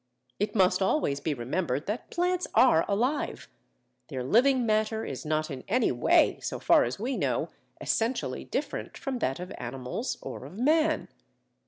It must always be remembered that plants are alive; their living matter is not in any way (so far as we know) essentially different from that of animals or of man.